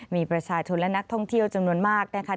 มีประชาชนและนักท่องเที่ยวจำนวนมากนะคะ